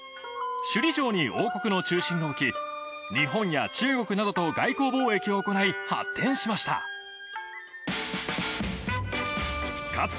首里城に王国の中心を置き日本や中国などと外交貿易を行い発展しましたか